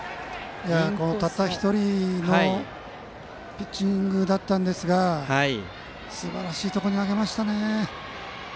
たった１人へのピッチングだったんですがすばらしいところに投げましたね。